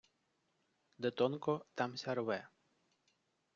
Де тонко, там ся рве.